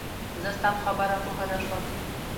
زه ستا په خبره پوهه نه شوم